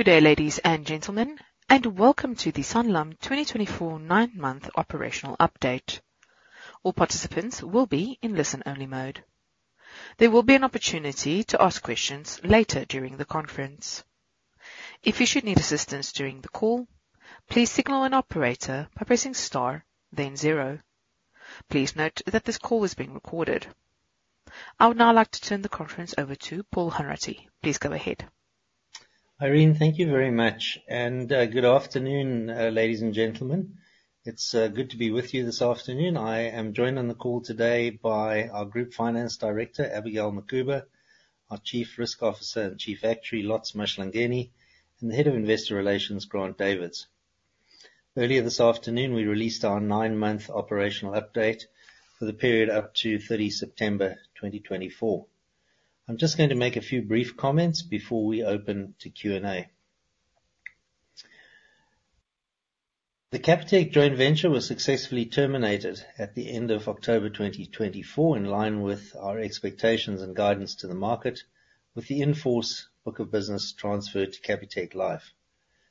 Good day, ladies and gentlemen, and welcome to the Sanlam 2024 9th month operational update. All participants will be in listen-only mode. There will be an opportunity to ask questions later during the conference. If you should need assistance during the call, please signal an operator by pressing star, then zero. Please note that this call is being recorded. I would now like to turn the conference over to Paul Hanratty. Please go ahead. Irene, thank you very much, and good afternoon, ladies and gentlemen. It's good to be with you this afternoon. I am joined on the call today by our Group Finance Director, Abigail Mukhuba, our Chief Risk Officer and Chief Actuary, Lotz Mahlangeni, and the Head of Investor Relations, Grant Davids. Earlier this afternoon, we released our 9-month operational update for the period up to 30 September 2024. I'm just going to make a few brief comments before we open to Q&A. The Capitec joint venture was successfully terminated at the end of October 2024, in line with our expectations and guidance to the market, with the in-force book of business transferred to Capitec Life.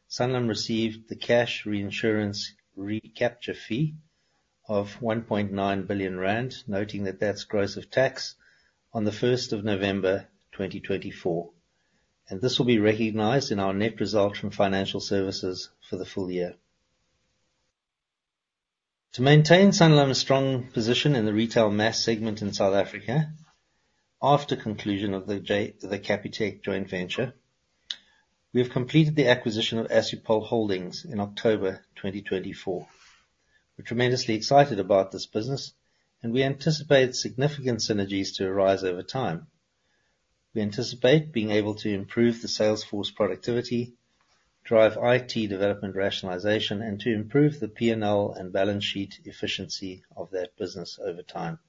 Sanlam received the cash reinsurance recapture fee of 1.9 billion rand, noting that that's gross of tax on 1 November 2024, and this will be recognized in our net result from financial services for the full year. To maintain Sanlam's strong position in the retail mass segment in South Africa, after the conclusion of the Capitec joint venture, we have completed the acquisition of Assupol Holdings in October 2024. We're tremendously excited about this business, and we anticipate significant synergies to arise over time. We anticipate being able to improve the sales force productivity, drive IT development rationalization, and to improve the P&L and balance sheet efficiency of that business over time.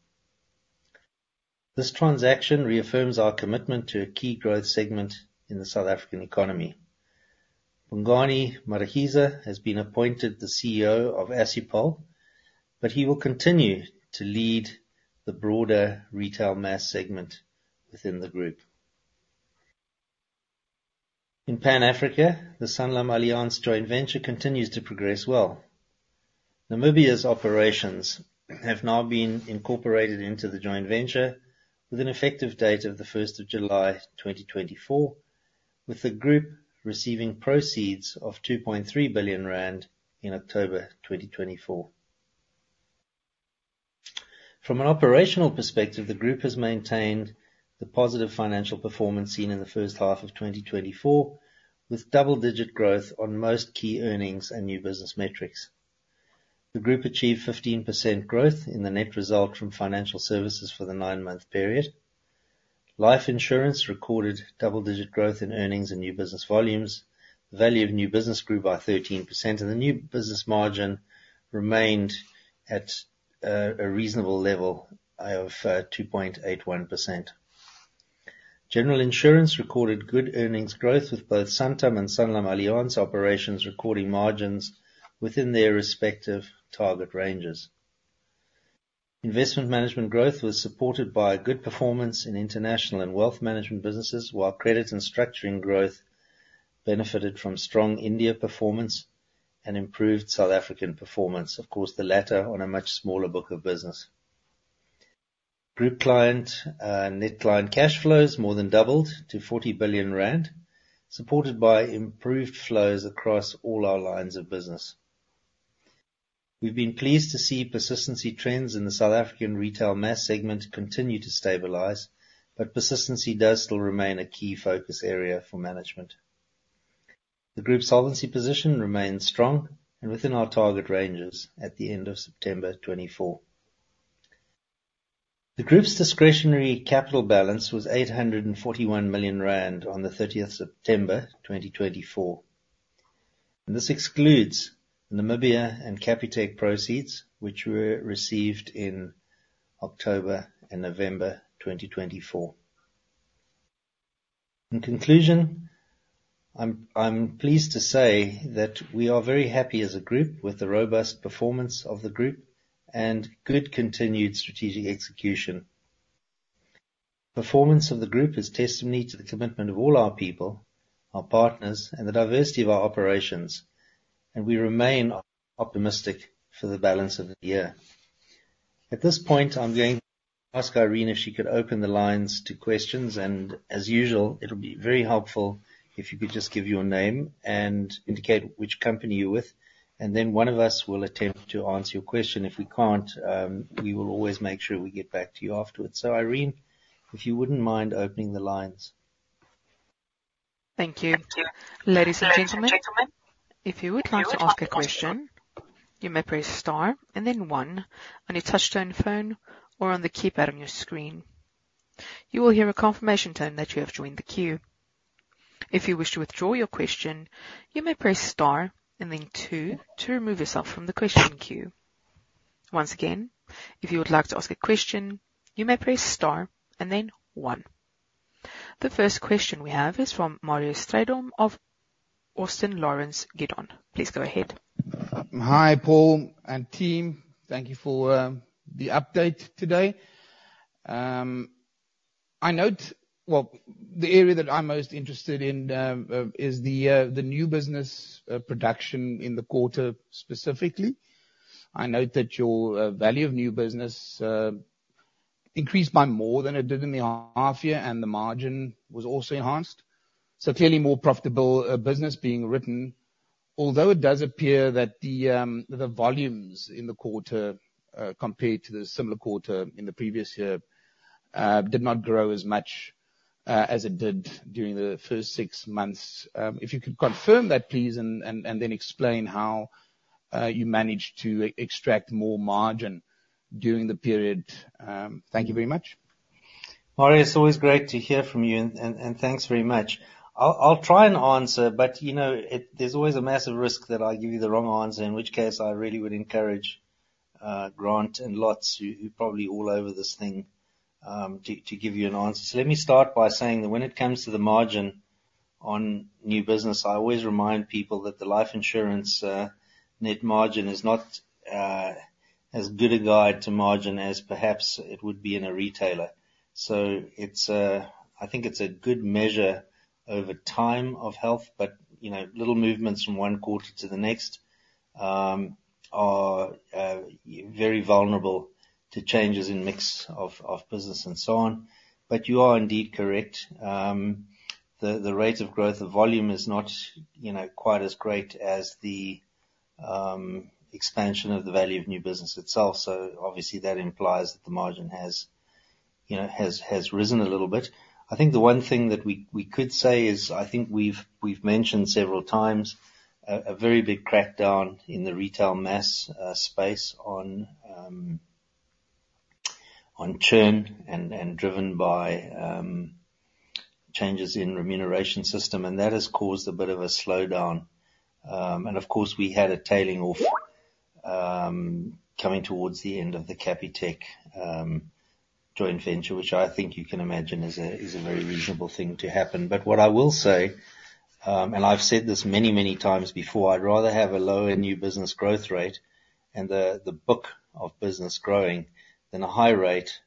This transaction reaffirms our commitment to a key growth segment in the South African economy. Bongani Madikiza has been appointed the CEO of Assupol, but he will continue to lead the broader retail mass segment within the group. In Pan-Africa, the Sanlam Alliance joint venture continues to progress well. Namibia's operations have now been incorporated into the joint venture with an effective date of 1 July 2024, with the group receiving proceeds of R2.3 billion in October 2024. From an operational perspective, the group has maintained the positive financial performance seen in the first half of 2024, with double-digit growth on most key earnings and new business metrics. The group achieved 15% growth in the net result from financial services for the nine-month period. Life insurance recorded double-digit growth in earnings and new business volumes. The value of new business grew by 13%, and the new business margin remained at a reasonable level of 2.81%. General insurance recorded good earnings growth, with both Sanlam and Sanlam Alliance operations recording margins within their respective target ranges. Investment management growth was supported by good performance in international and wealth management businesses, while credit and structuring growth benefited from strong India performance and improved South African performance. Of course, the latter on a much smaller book of business. Group client net cash flows more than doubled to 40 billion rand, supported by improved flows across all our lines of business. We've been pleased to see persistency trends in the South African retail mass segment continue to stabilize, but persistency does still remain a key focus area for management. The group's solvency position remains strong and within our target ranges at the end of September 2024. The group's discretionary capital balance was 841 million rand on 30 September 2024. This excludes Namibia and Capitec proceeds, which were received in October and November 2024. In conclusion, I'm pleased to say that we are very happy as a group with the robust performance of the group and good continued strategic execution. Performance of the group is testimony to the commitment of all our people, our partners, and the diversity of our operations, and we remain optimistic for the balance of the year. At this point, I'm going to ask Irene if she could open the lines to questions, and as usual, it'll be very helpful if you could just give your name and indicate which company you're with, and then one of us will attempt to answer your question. If we can't, we will always make sure we get back to you afterwards. So, Irene, if you wouldn't mind opening the lines. Thank you. Ladies and gentlemen, if you would like to ask a question, you may press star and then one on your touchs-tone phone or on the keypad on your screen. You will hear a confirmation tone that you have joined the queue. If you wish to withdraw your question, you may press star and then two to remove yourself from the question queue. Once again, if you would like to ask a question, you may press star and then one. The first question we have is from Marius Strydom of Austin Lawrence Gidon. Please go ahead. Hi Paul and team. Thank you for the update today. I note, well, the area that I'm most interested in is the new business production in the quarter specifically. I note that your value of new business increased by more than it did in the half year, and the margin was also enhanced. So, clearly more profitable business being written, although it does appear that the volumes in the quarter compared to the similar quarter in the previous year did not grow as much as it did during the first six months. If you could confirm that, please, and then explain how you managed to extract more margin during the period. Thank you very much. Marius, it's always great to hear from you, and thanks very much. I'll try and answer, but you know there's always a massive risk that I'll give you the wrong answer, in which case I really would encourage Grant and Lotz, who are probably all over this thing, to give you an answer. So, let me start by saying that when it comes to the margin on new business, I always remind people that the life insurance net margin is not as good a guide to margin as perhaps it would be in a retailer. So, I think it's a good measure over time of health, but little movements from one quarter to the next are very vulnerable to changes in mix of business and so on. But you are indeed correct. The rate of growth of volume is not quite as great as the expansion of the value of new business itself. So, obviously, that implies that the margin has risen a little bit. I think the one thing that we could say is, I think we've mentioned several times a very big crackdown in the retail mass space on churn and driven by changes in remuneration system, and that has caused a bit of a slowdown. And of course, we had a tailing off coming towards the end of the Capitec joint venture, which I think you can imagine is a very reasonable thing to happen. But what I will say, and I've said this many, many times before, I'd rather have a lower new business growth rate and the book of business growing than a high rate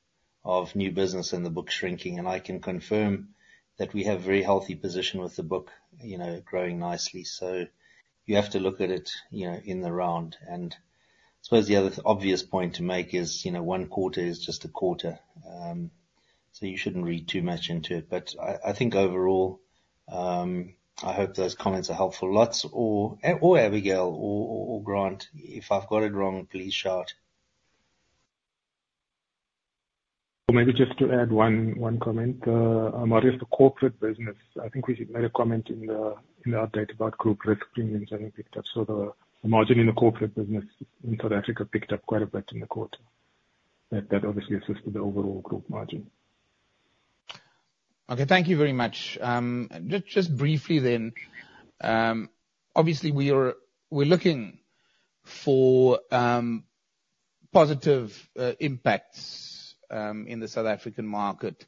of new business and the book shrinking. And I can confirm that we have a very healthy position with the book growing nicely. So, you have to look at it in the round. And I suppose the other obvious point to make is one quarter is just a quarter, so you shouldn't read too much into it. But I think overall, I hope those comments are helpful. Lotz or Abigail or Grant, if I've got it wrong, please shout. Maybe just to add one comment, Marius, for corporate business, I think we made a comment in the update about group risk premiums. I think that's where the margin in the corporate business in South Africa picked up quite a bit in the quarter. That obviously assisted the overall group margin. Okay, thank you very much. Just briefly then, obviously, we're looking for positive impacts in the South African market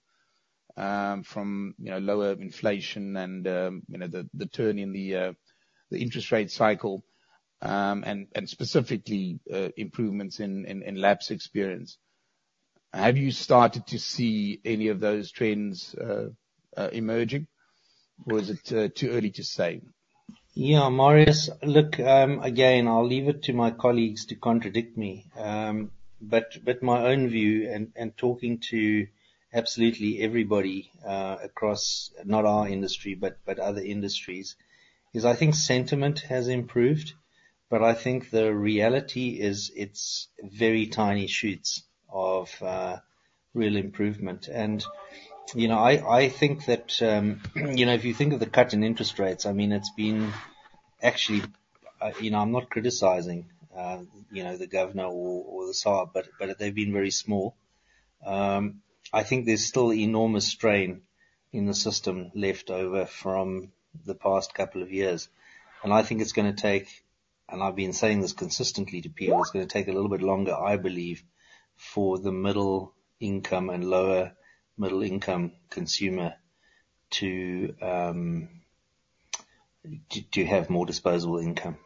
from lower inflation and the turn in the interest rate cycle and specifically improvements in lapse experience. Have you started to see any of those trends emerging, or is it too early to say? Yeah, Marius, look, again, I'll leave it to my colleagues to contradict me, but my own view and talking to absolutely everybody across not our industry, but other industries, is I think sentiment has improved, but I think the reality is it's very tiny shoots of real improvement. And I think that if you think of the cut in interest rates, I mean, it's been actually, I'm not criticizing the governor or the SARB, but they've been very small. I think there's still enormous strain in the system left over from the past couple of years. And I think it's going to take, and I've been saying this consistently to people, it's going to take a little bit longer, I believe, for the middle income and lower middle income consumer to have more disposable income.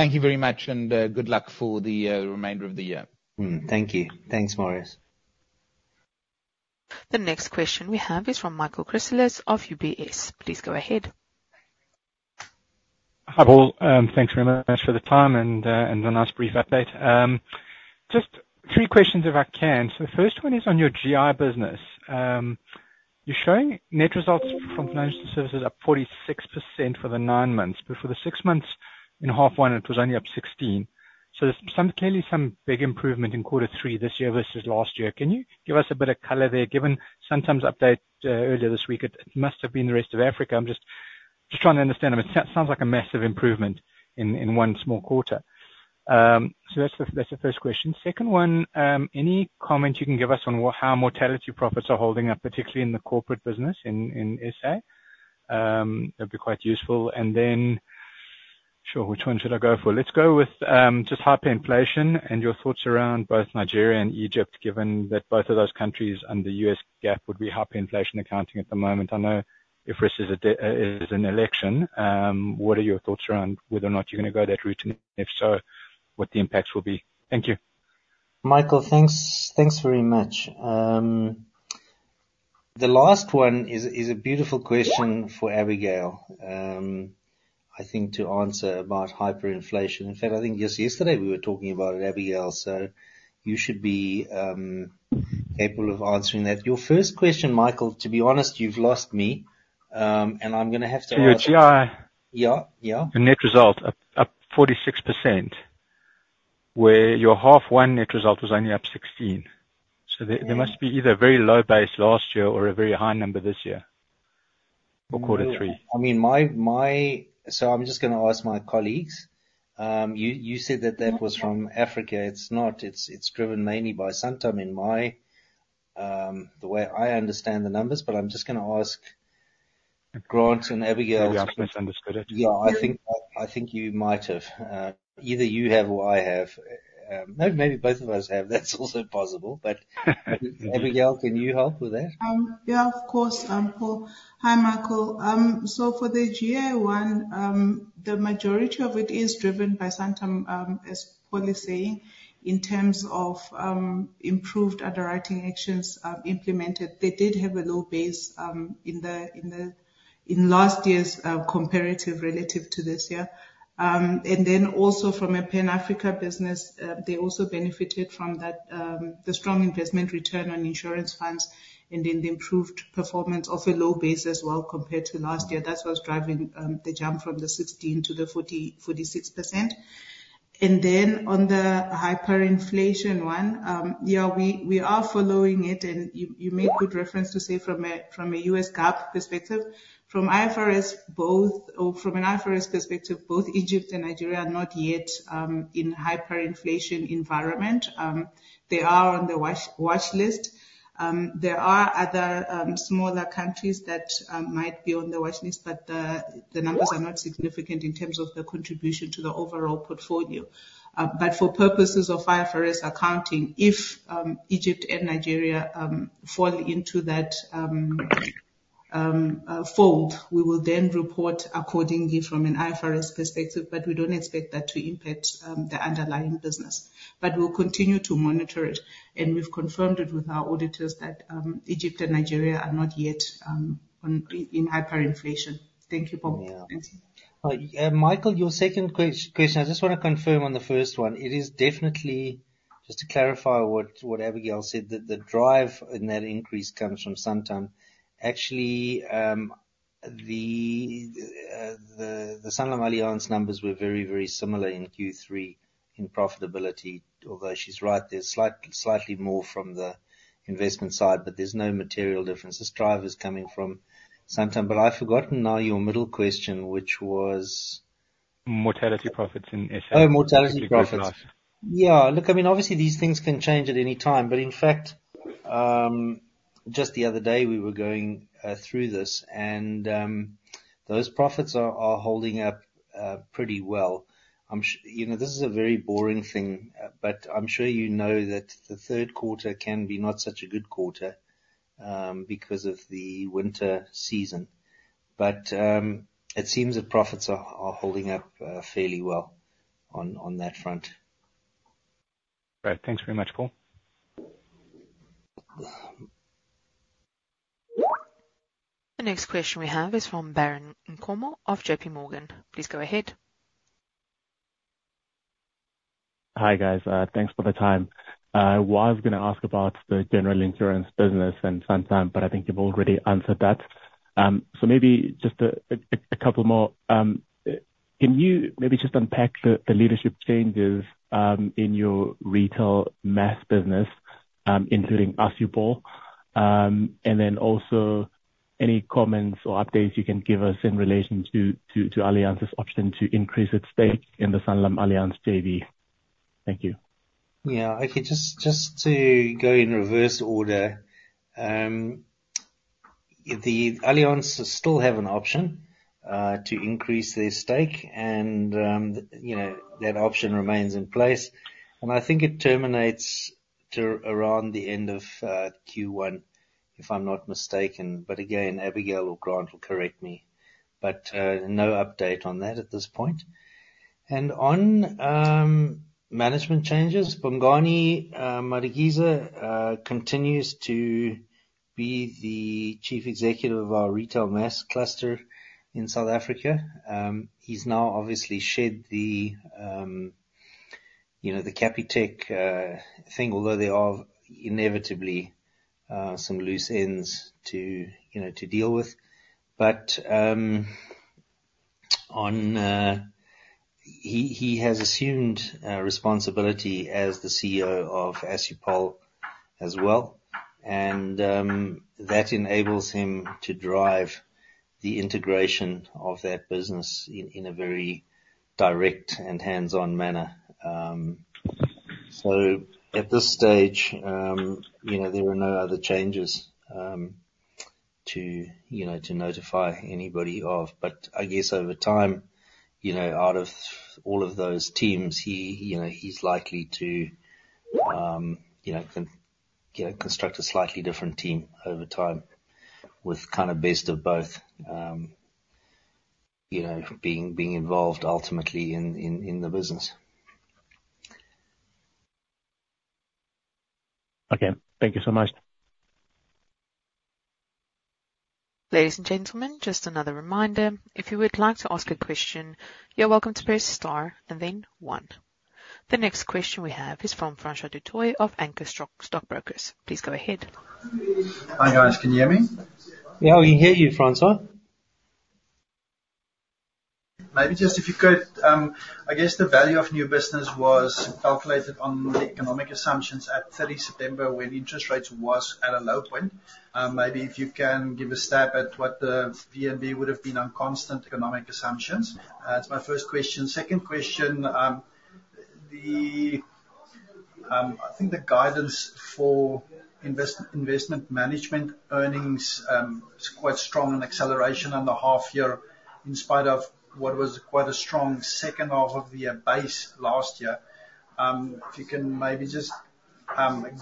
Thank you very much, and good luck for the remainder of the year. Thank you. Thanks, Marius. The next question we have is from Michael Christelis of UBS. Please go ahead. Hi Paul, thanks very much for the time and the nice brief update. Just three questions if I can. So, the first one is on your GI business. You're showing net results from financial services up 46% for the nine months, but for the six months in half one, it was only up 16%. So, there's clearly some big improvement in quarter three this year versus last year. Can you give us a bit of color there? Given Sanlam's update earlier this week, it must have been the rest of Africa. I'm just trying to understand. It sounds like a massive improvement in one small quarter. So, that's the first question. Second one, any comment you can give us on how mortality profits are holding up, particularly in the corporate business in SA? That'd be quite useful. And then, sure, which one should I go for? Let's go with just hyperinflation and your thoughts around both Nigeria and Egypt, given that both of those countries and the US GAAP would be hyperinflation accounting at the moment. I know IFRS is an election. What are your thoughts around whether or not you're going to go that route, and if so, what the impacts will be? Thank you. Michael, thanks very much. The last one is a beautiful question for Abigail, I think, to answer about hyperinflation. In fact, I think just yesterday we were talking about it, Abigail, so you should be able to answer that. Your first question, Michael, to be honest, you've lost me, and I'm going to have to ask. For your GI, your net result up 46%, where your half one net result was only up 16%. So, there must be either a very low base last year or a very high number this year for quarter three. I mean, so I'm just going to ask my colleagues. You said that that was from Africa. It's not. It's driven mainly by Sanlam and the way I understand the numbers, but I'm just going to ask Grant and Abigail. I misunderstood it. Yeah, I think you might have. Either you have or I have. No, maybe both of us have. That's also possible. But Abigail, can you help with that? Yeah, of course, Paul. Hi, Michael. So, for the GI one, the majority of it is driven by Sanlam, as Paul is saying, in terms of improved underwriting actions implemented. They did have a low base in last year's comparative relative to this year. And then also from a Pan-African business, they also benefited from the strong investment return on insurance funds and then the improved performance of a low base as well compared to last year. That's what's driving the jump from 16% to 46%. And then on the hyperinflation one, yeah, we are following it, and you made good reference to say from a U.S. GAAP perspective. From IFRS, both Egypt and Nigeria are not yet in a hyperinflation environment. They are on the watch list. There are other smaller countries that might be on the watch list, but the numbers are not significant in terms of the contribution to the overall portfolio. But for purposes of IFRS accounting, if Egypt and Nigeria fall into that fold, we will then report accordingly from an IFRS perspective, but we don't expect that to impact the underlying business. But we'll continue to monitor it, and we've confirmed it with our auditors that Egypt and Nigeria are not yet in hyperinflation. Thank you, Paul. Michael, your second question, I just want to confirm on the first one. It is definitely, just to clarify what Abigail said, that the drive in that increase comes from Sanlam. Actually, the Sanlam Alliance numbers were very, very similar in Q3 in profitability, although she's right. There's slightly more from the investment side, but there's no material difference. This drive is coming from Sanlam. But I've forgotten now your middle question, which was. Mortality profits in SA? Oh, mortality profits. Yeah, look, I mean, obviously, these things can change at any time, but in fact, just the other day, we were going through this, and those profits are holding up pretty well. This is a very boring thing, but I'm sure you know that the third quarter can be not such a good quarter because of the winter season. But it seems that profits are holding up fairly well on that front. Great. Thanks very much, Paul. The next question we have is from Baron Nkomo of J.P. Morgan. Please go ahead. Hi guys. Thanks for the time. Well, I was going to ask about the general insurance business and Sanlam, but I think you've already answered that. So maybe just a couple more. Can you maybe just unpack the leadership changes in your retail mass business, including us, you Paul, and then also any comments or updates you can give us in relation to Alliance's option to increase its stake in the Sanlam Alliance JV? Thank you. Yeah, okay, just to go in reverse order, the Alliance still has an option to increase their stake, and that option remains in place. And I think it terminates around the end of Q1, if I'm not mistaken. But again, Abigail or Grant will correct me, but no update on that at this point. And on management changes, Bongani Madikiza continues to be the Chief Executive of our retail mass cluster in South Africa. He's now obviously shed the Capitec thing, although there are inevitably some loose ends to deal with. But he has assumed responsibility as the CEO of Assupol as well, and that enables him to drive the integration of that business in a very direct and hands-on manner. So at this stage, there are no other changes to notify anybody of. But I guess over time, out of all of those teams, he's likely to construct a slightly different team over time with kind of best of both being involved ultimately in the business. Okay, thank you so much. Ladies and gentlemen, just another reminder. If you would like to ask a question, you're welcome to press star and then one. The next question we have is from François du Toit of Anchor Stockbrokers. Please go ahead. Hi guys, can you hear me? Yeah, we can hear you, François. Maybe just if you could, I guess the value of new business was calculated on the economic assumptions at 30 September when interest rates were at a low point. Maybe if you can give a stab at what the VNB would have been on constant economic assumptions? That's my first question. Second question, I think the guidance for investment management earnings is quite strong in acceleration on the half year in spite of what was quite a strong second half of the base last year. If you can maybe just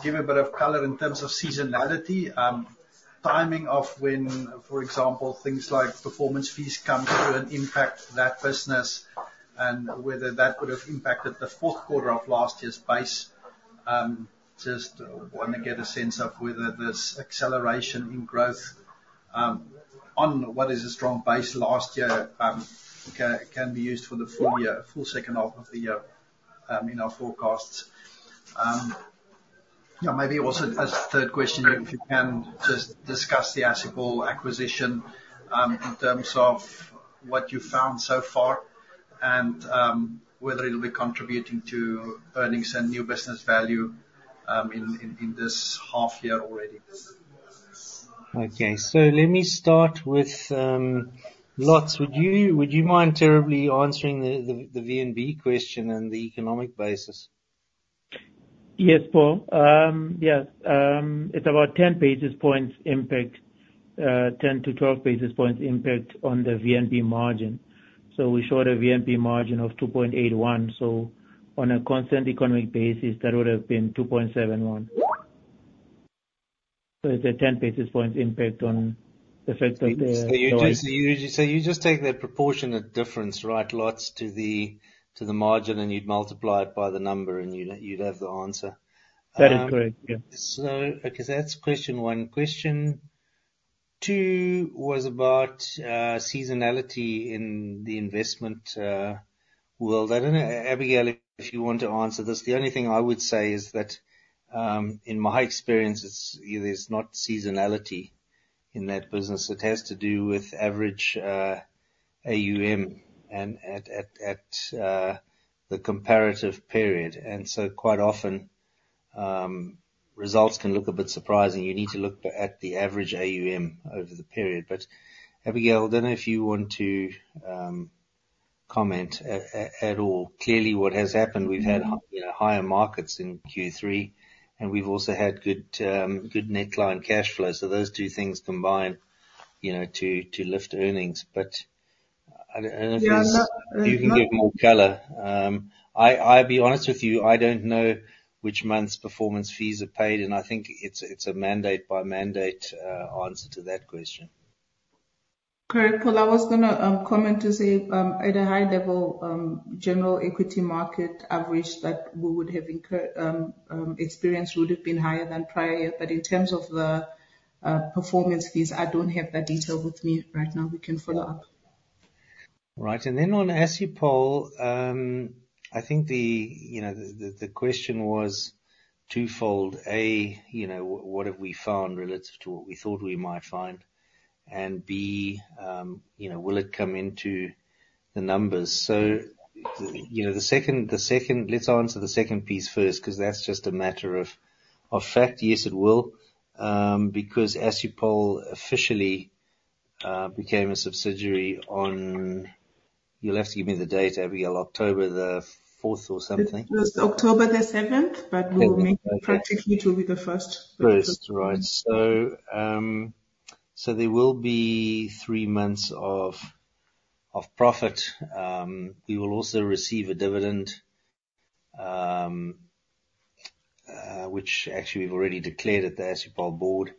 give a bit of color in terms of seasonality, timing of when, for example, things like performance fees come through and impact that business and whether that would have impacted the fourth quarter of last year's base? Just want to get a sense of whether this acceleration in growth on what is a strong base last year can be used for the full second half of the year in our forecasts? Yeah, maybe also a third question, if you can, just discuss the Assupol acquisition in terms of what you found so far and whether it'll be contributing to earnings and new business value in this half year already? Okay, so let me start with Lotz. Would you mind terribly answering the VNB question and the economic basis? Yes, Paul. Yes, it's about 10 basis points impact, 10-12 basis points impact on the VNB margin. So we showed a VNB margin of 2.81. So on a constant economic basis, that would have been 2.71. So it's a 10 basis points impact on the fact that the. So you just take that proportionate difference, right, Lotz, to the margin and you'd multiply it by the number and you'd have the answer. That is correct, yeah. Okay, so that's question one. Question two was about seasonality in the investment world. I don't know, Abigail, if you want to answer this. The only thing I would say is that in my experience, there's not seasonality in that business. It has to do with average AUM at the comparative period. And so quite often, results can look a bit surprising. You need to look at the average AUM over the period. But Abigail, I don't know if you want to comment at all. Clearly, what has happened, we've had higher markets in Q3, and we've also had good net client cash flow. So those two things combine to lift earnings. But I don't know if you can give more color. I'll be honest with you, I don't know which month's performance fees are paid, and I think it's a mandate-by-mandate answer to that question. Correct, Paul. I was going to comment to say at a high level, general equity market average that we would have experienced would have been higher than prior year. But in terms of the performance fees, I don't have that detail with me right now. We can follow up. Right, and then on Assupol, I think the question was twofold. A, what have we found relative to what we thought we might find? And B, will it come into the numbers? So the second, let's answer the second piece first because that's just a matter of fact. Yes, it will, because Assupol officially became a subsidiary on, you'll have to give me the date, Abigail, October the 4th or something. It was October the 7th, but we'll make it practically to be the 1st. First, right. So there will be three months of profit. We will also receive a dividend, which actually we've already declared at the Assupol board,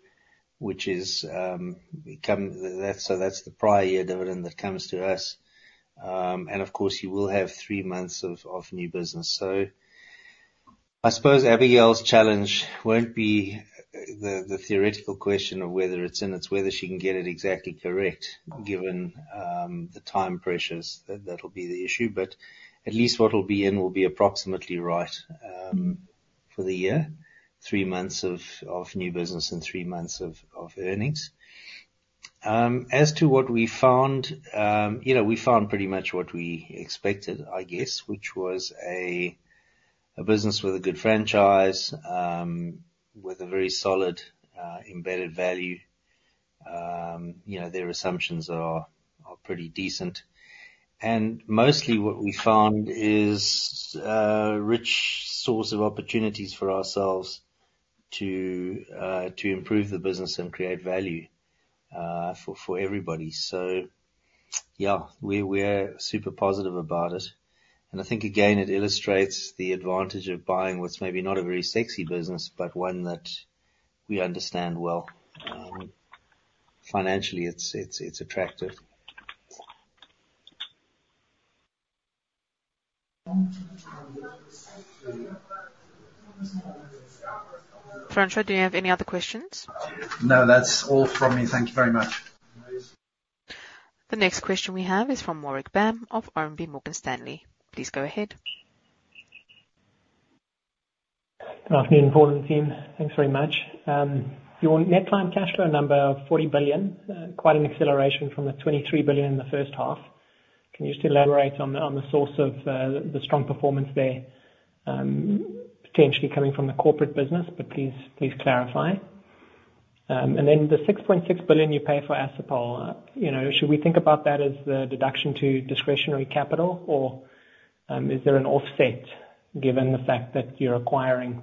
which is, so that's the prior year dividend that comes to us. And of course, you will have three months of new business. So I suppose Abigail's challenge won't be the theoretical question of whether it's in, it's whether she can get it exactly correct given the time pressures. That'll be the issue. But at least what will be in will be approximately right for the year, three months of new business and three months of earnings. As to what we found, we found pretty much what we expected, I guess, which was a business with a good franchise, with a very solid embedded value. Their assumptions are pretty decent. And mostly what we found is a rich source of opportunities for ourselves to improve the business and create value for everybody. So yeah, we're super positive about it. And I think, again, it illustrates the advantage of buying what's maybe not a very sexy business, but one that we understand well. Financially, it's attractive. François, do you have any other questions? No, that's all from me. Thank you very much. The next question we have is from Warwick Bam of RMB Morgan Stanley. Please go ahead. Good afternoon, Paul and team. Thanks very much. Your net client cash flow number of R40 billion, quite an acceleration from the R23 billion in the first half. Can you just elaborate on the source of the strong performance there, potentially coming from the corporate business, but please clarify? And then the R6.6 billion you pay for Assupol, should we think about that as the deduction to discretionary capital, or is there an offset given the fact that you're acquiring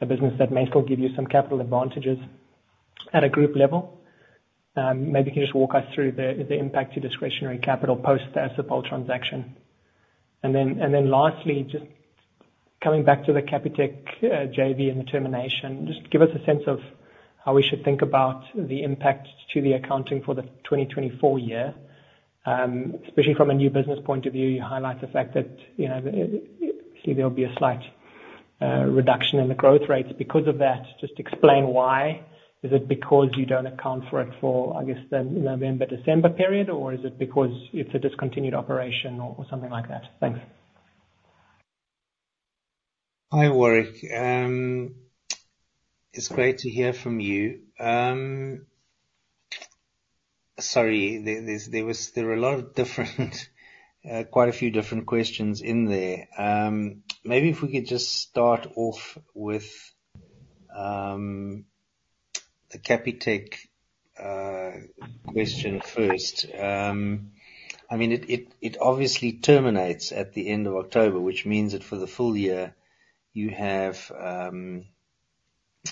a business that may still give you some capital advantages at a group level? Maybe you can just walk us through the impact to discretionary capital post Assupol transaction. And then lastly, just coming back to the Capitec JV and the termination, just give us a sense of how we should think about the impact to the accounting for the 2024 year, especially from a new business point of view. You highlight the fact that there will be a slight reduction in the growth rates because of that. Just explain why. Is it because you don't account for it for, I guess, the November-December period, or is it because it's a discontinued operation or something like that? Thanks. Hi, Warwick. It's great to hear from you. Sorry, there were a lot of different, quite a few different questions in there. Maybe if we could just start off with the Capitec question first. I mean, it obviously terminates at the end of October, which means that for the full year, you have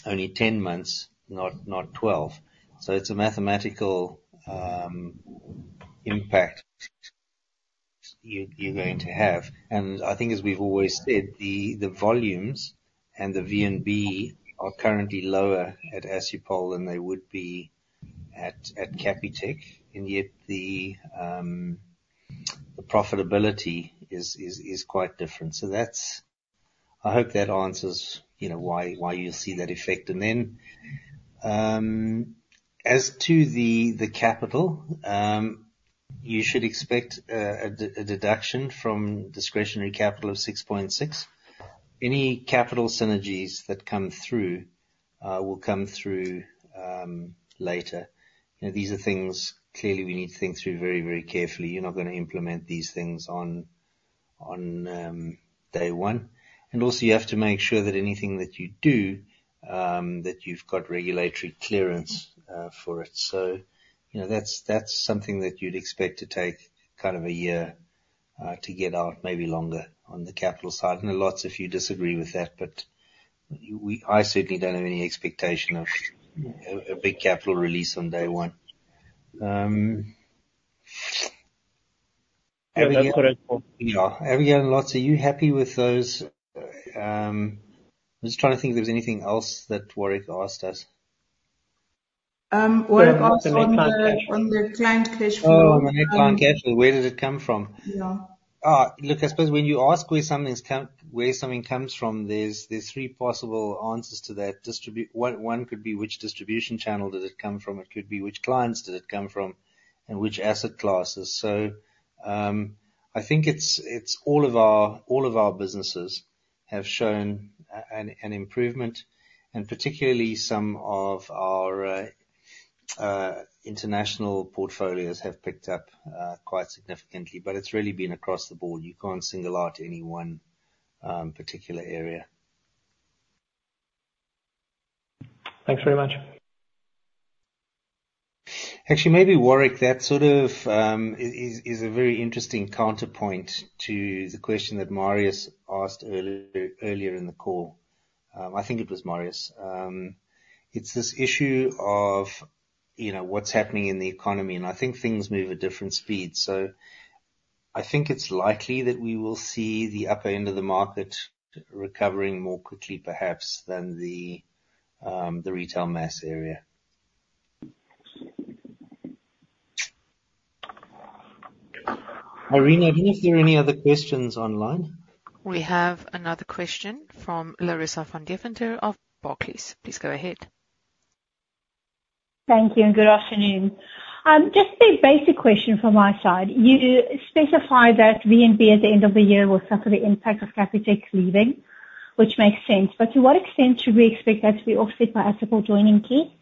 only 10 months, not 12. So it's a mathematical impact you're going to have, and I think, as we've always said, the volumes and the VNB are currently lower at Assupol than they would be at Capitec, and yet the profitability is quite different. So I hope that answers why you see that effect, and then as to the capital, you should expect a deduction from discretionary capital of R6.6. Any capital synergies that come through will come through later. These are things clearly we need to think through very, very carefully. You're not going to implement these things on day one. And also, you have to make sure that anything that you do, that you've got regulatory clearance for it. So that's something that you'd expect to take kind of a year to get out, maybe longer on the capital side. And Lotz, if you disagree with that, but I certainly don't have any expectation of a big capital release on day one. Abigail and Lotz, are you happy with those? I'm just trying to think if there's anything else that Warwick asked us. Warwick asked about the client cash flow. Oh, on the client cash flow, where did it come from? Yeah. Look, I suppose when you ask where something comes from, there's three possible answers to that. One could be which distribution channel did it come from. It could be which clients did it come from and which asset classes. So I think it's all of our businesses have shown an improvement, and particularly some of our international portfolios have picked up quite significantly. But it's really been across the board. You can't single out any one particular area. Thanks very much. Actually, maybe Warwick, that sort of is a very interesting counterpoint to the question that Marius asked earlier in the call. I think it was Marius. It's this issue of what's happening in the economy, and I think things move at different speeds. So I think it's likely that we will see the upper end of the market recovering more quickly, perhaps, than the retail mass area. Irene, I don't know if there are any other questions online. We have another question from Larissa van Deventer of Barclays. Please go ahead. Thank you and good afternoon. Just a basic question from my side. You specify that VNB at the end of the year will suffer the impact of Capitec's leaving, which makes sense. But to what extent should we expect that to be offset by Assupol joining, currently?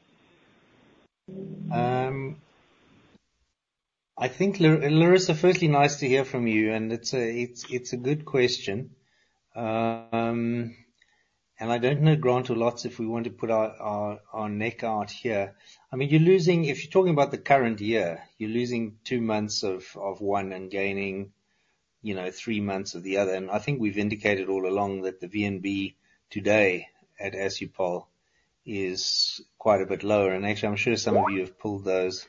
I think, Larissa, firstly, nice to hear from you, and it's a good question, and I don't know, Grant or Lotz, if we want to put our neck out here. I mean, if you're talking about the current year, you're losing two months of one and gaining three months of the other, and I think we've indicated all along that the VNB today at Assupol is quite a bit lower, and actually, I'm sure some of you have pulled those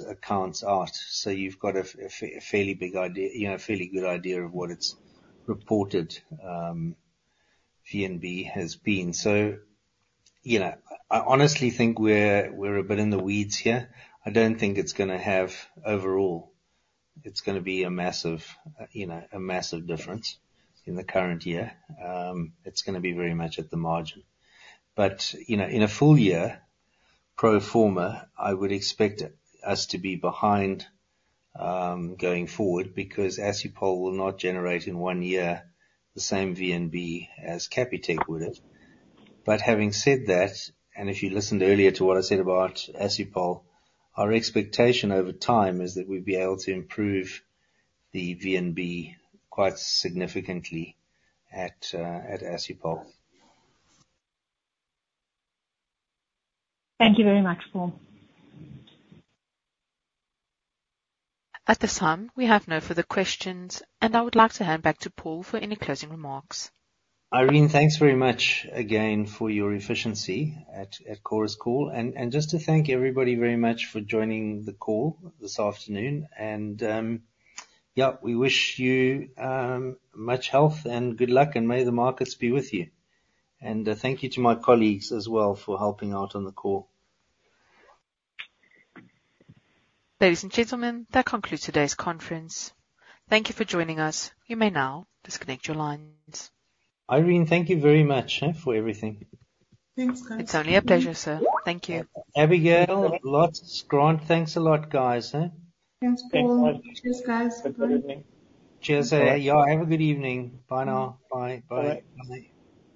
accounts out, so you've got a fairly big idea, a fairly good idea of what its reported VNB has been, so I honestly think we're a bit in the weeds here. I don't think it's going to have overall. It's going to be a massive difference in the current year. It's going to be very much at the margin. In a full year, pro forma, I would expect us to be behind going forward because Assupol will not generate in one year the same VNB as Capitec would have. Having said that, and if you listened earlier to what I said about Assupol, our expectation over time is that we'd be able to improve the VNB quite significantly at Assupol. Thank you very much, Paul. At this time, we have no further questions, and I would like to hand back to Paul for any closing remarks. Irene, thanks very much again for your efficiency at Chorus Call. And just to thank everybody very much for joining the call this afternoon. And yeah, we wish you much health and good luck, and may the markets be with you. And thank you to my colleagues as well for helping out on the call. Ladies and gentlemen, that concludes today's conference. Thank you for joining us. You may now disconnect your lines. Irene, thank you very much for everything. Thanks, guys. It's only a pleasure, sir. Thank you. Abigail, Lotz, Grant, thanks a lot, guys. Thanks, Paul. Cheers, guys. Good evening. Cheers. Yeah, have a good evening. Bye now. Bye. Bye.